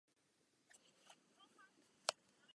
Za tuto roli obdržel kladné recenze.